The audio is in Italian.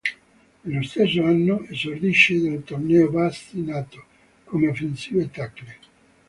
Nello stesso anno esordisce nel torneo Basi Nato, come offensive tackle.